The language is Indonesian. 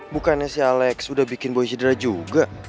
bukannya si alex udah bikin boy cedera juga